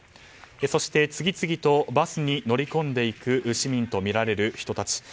そして、次々とバスに乗り込んでいく市民とみられる人たち。